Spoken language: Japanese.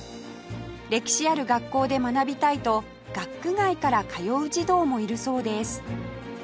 歴史ある学校で学びたいと学区外から通う児童もいるそうです